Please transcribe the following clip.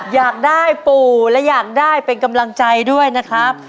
อยากได้ปู่และอยากได้เป็นกำลังใจด้วยนะครับ